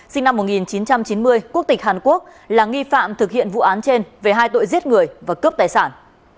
sinh năm một nghìn chín trăm chín mươi quốc tịch hàn quốc là nghi phạm thực hiện vụ án trên về hai tội giết người và cướp tài sản